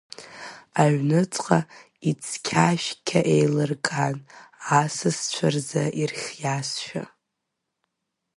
Аҩныҵҟа ицқьа-шәқьа еилырган, асасацәа рзы ирхиазшәа.